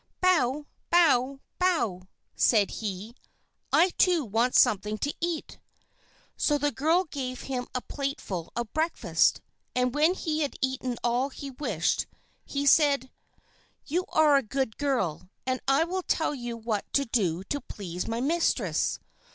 "Bow! Bow! Bow!" said he. "I, too, want something to eat!" So the girl gave him a plateful of breakfast, and when he had eaten all he wished, he said: "You are a good girl, and I will tell you what to do to please my mistress.